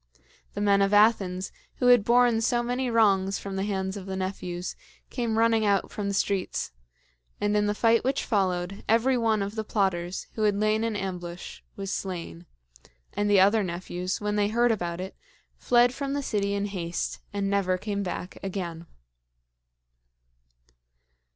The men of Athens, who had borne so many wrongs from the hands of the nephews, came running out from the streets; and in the fight which followed, every one of the plotters, who had lain in ambush was slain; and the other nephews, when they heard about it, fled from the city in haste and never came back again.